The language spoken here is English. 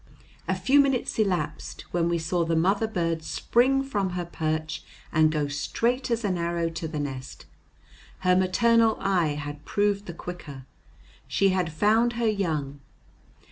A few minutes elapsed, when we saw the mother bird spring from her perch and go straight as an arrow to the nest. Her maternal eye had proved the quicker. She had found her young.